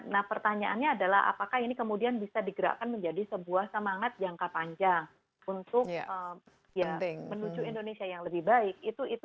nah pertanyaannya adalah apakah ini kemudian bisa digerakkan menjadi sebuah semangat jangka panjang untuk menuju indonesia yang lebih baik